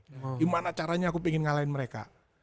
gimana caranya aku ingin ngalahin mereka